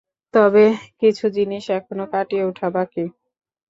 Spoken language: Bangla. তবে কিছু জিনিস এখনো কাটিয়ে ওঠা বাকি।